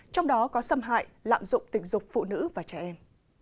trong đó có xâm hại lạm dụng tình dục phụ nữ và trẻ em